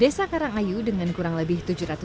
desa karangayu dengan kurang lebih